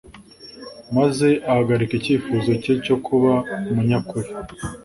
maze ahagarika icyifuzo cye cyo kuba umunyakuri